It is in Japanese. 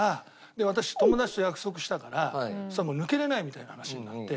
「で私友達と約束したから抜けられない」みたいな話になって。